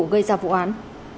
gây ra vụ án